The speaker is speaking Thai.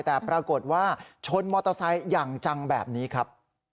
แต่ปรากฏว่าชนมอเตอร์ไซค์อย่างจังแบบนี้ครับ